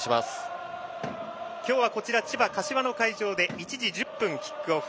今日は千葉・柏の会場で１時１０分キックオフ。